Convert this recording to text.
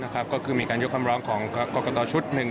ก็คือมีการยกคำร้องของกรกตชุดหนึ่ง